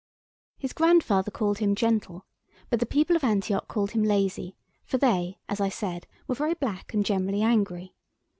His grandfather called him "gentle," but the people of Antioch called him "lazy," for they, as I said, were very black, and generally angry.